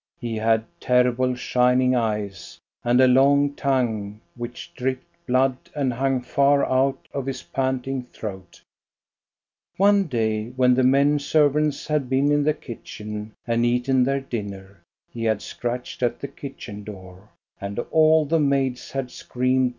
He had terrible, shining eyes, and a long tongue which dripped blood and hung far out of his panting throat. One day, when the men servants had been in the kitchen and eaten their dinner, he had scratched at the kitchen door, and all the maids had screamed '^^\ N GHOST STORIES.